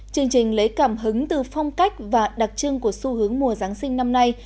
chương trình lấy cảm hứng từ phong cách và đặc trưng của xu hướng mùa giáng sinh năm nay